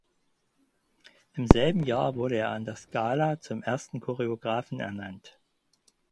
Im selben Jahr wurde er an der Scala zum ersten Choreografen ernannt.